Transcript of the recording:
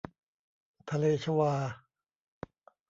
ทะเลชวา